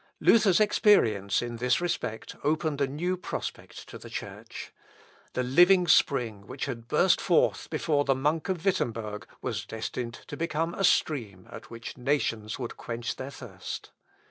Luther's experience, in this respect, opened a new prospect to the Church. The living spring which had burst forth before the monk of Wittemberg, was destined to become a stream at which nations would quench their thirst.